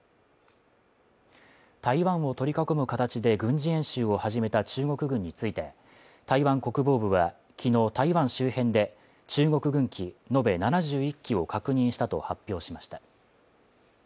台湾を取り囲む形で軍事演習を始めた中国軍について台湾国防部は昨日、台湾周辺で中国軍機、延べ７１機を確認したと発表しました。